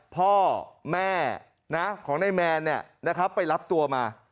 พ่อแม่นะของนายแมนเนี้ยนะครับไปรับตัวมา